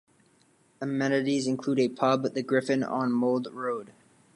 Amenities include a pub, "The Griffin" on Mold Road.